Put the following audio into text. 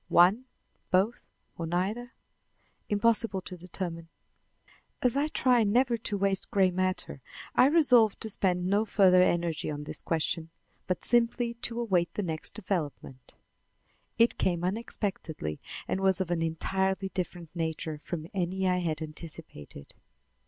One, both, or neither? Impossible to determine. As I try never to waste gray matter, I resolved to spend no further energy on this question, but simply to await the next development. It came unexpectedly and was of an entirely different nature from any I had anticipated.